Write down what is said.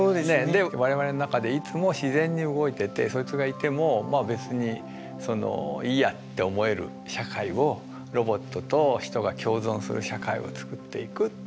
で我々の中でいつも自然に動いててそいつがいてもまあ別にいいやって思える社会をロボットと人が共存する社会をつくっていくっていうこと。